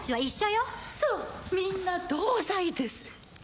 よそうみんな同罪です